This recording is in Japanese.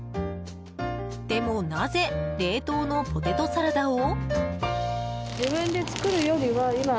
でもなぜ冷凍のポテトサラダを？